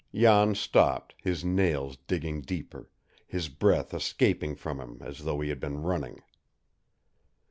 Jan stopped, his nails digging deeper, his breath escaping from him as though he had been running.